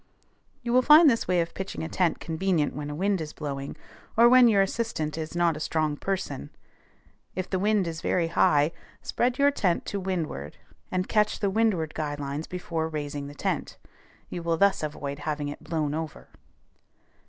You will find this way of pitching a tent convenient when a wind is blowing, or when your assistant is not a strong person. If the wind is very high, spread your tent to windward, and catch the windward guy lines before raising the tent. You will thus avoid having it blown over.